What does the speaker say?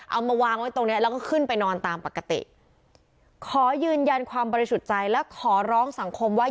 เอามาวางไว้ตรงเนี้ยแล้วก็ขึ้นไปนอนตามปกติขอยืนยันความบริสุทธิ์ใจและขอร้องสังคมว่า